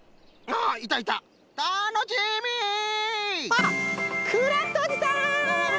あっクラフトおじさん！